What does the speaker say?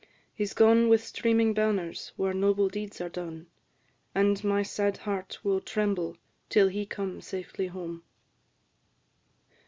He 's gone, with streaming banners, where noble deeds are done, And my sad heart will tremble till he come safely home."